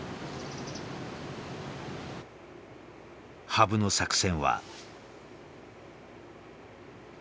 羽生の作戦は。